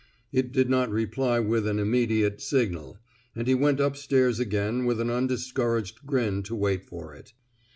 It did not reply with an immediate signal, and he went up stairs again with an undis couraged grin to wait for it.